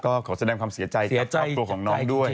ก็ขอแสดงความเสียใจกับครอบครัวของน้องด้วย